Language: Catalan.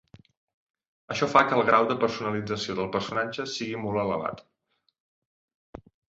Això fa que el grau de personalització del personatge sigui molt elevat.